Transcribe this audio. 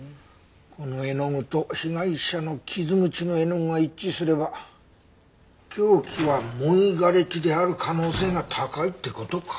この絵の具と被害者の傷口の絵の具が一致すれば凶器は模擬瓦礫である可能性が高いって事か。